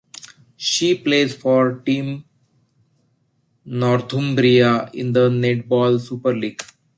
She plays for Team Northumbria in the Netball Superleague.